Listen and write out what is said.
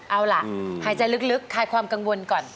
เอาล่ะหายใจลึกคลายความกังวลก่อน